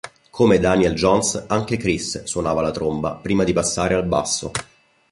Come Daniel Johns anche Chris suonava la tromba prima di passare al basso.